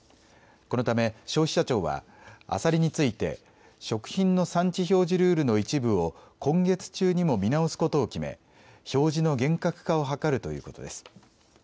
このため消費者庁はアサリについて食品の産地表示ルールの一部を今月中にも見直すことを決め表示の厳格化を図るということです。